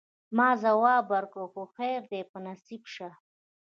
ما ځواب ورکړ: هو، خیر دي په نصیب شه.